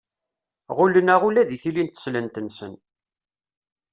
Ɣullen-aɣ ula deg tili n teslent-nsen.